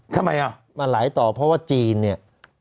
ทำไมอ่ะมาไหลต่อเพราะว่าจีนเนี่ย